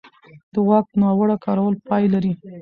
د واک ناوړه کارول پای لري